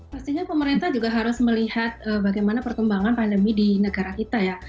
pastinya pemerintah juga harus melihat bagaimana perkembangan pandemi di negara kita ya